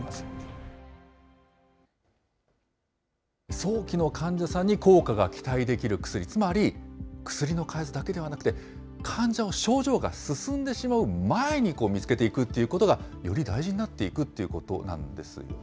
早期の患者さんに効果が期待できる薬、つまり薬の開発だけではなくて、患者を症状が進んでしまう前に見つけていくということが、より大事になっていくということなんですよね。